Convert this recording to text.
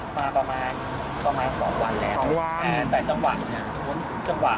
ผมมาประมาณก็มาสองวันแล้วสองวันแต่จังหวะ